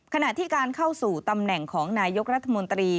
ขณะที่การเข้าสู่ตำแหน่งของนายกรัฐมนตรี